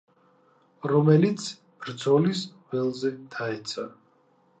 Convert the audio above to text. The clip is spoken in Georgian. რომელიც ბრძოლის ველზე დაეცა.